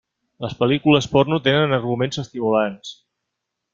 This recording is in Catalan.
Les pel·lícules porno tenen arguments estimulants.